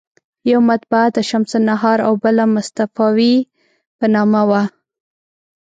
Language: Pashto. یوه مطبعه د شمس النهار او بله مصطفاوي په نامه وه.